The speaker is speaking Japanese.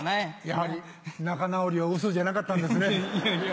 やはり仲直りは嘘じゃなかったんですね。